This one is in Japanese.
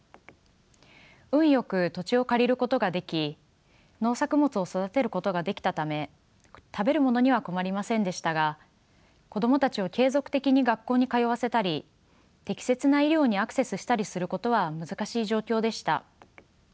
運よく土地を借りることができ農作物を育てることができたため食べるものには困りませんでしたが子供たちを継続的に学校に通わせたり適切な医療にアクセスしたりすることは難しい状況でした。